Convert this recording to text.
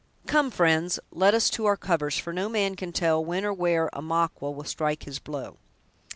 Come, friends: let us to our covers, for no man can tell when or where a Maqua will strike his blow."